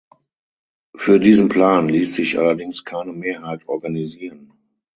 Für diesen Plan ließ sich allerdings keine Mehrheit organisieren.